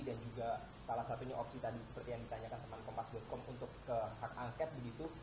dan juga salah satunya opsi tadi seperti yang ditanyakan teman kempas com untuk ke angket begitu